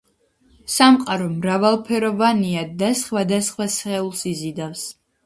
სამყარო მრავალფეროვანია და სხვადასხვა სხეულს იზიდავს